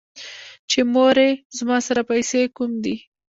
چې مورې زما سره پېسې کوم دي ـ